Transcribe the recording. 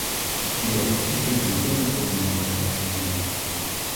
I od dzisiaj będziemy podejmować decyzje